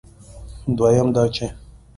دویم دا چې